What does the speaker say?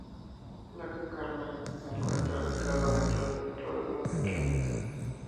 Lake Carmel se encuentra ubicado dentro del pueblo de Kent.